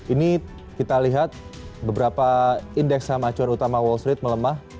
ini kita lihat beberapa indeks saham acuan utama wall street melemah